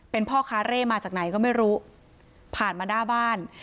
เป็นพ่อค้าเร่มาจากไหนก็ไม่รู้ผ่านมาหน้าบ้าน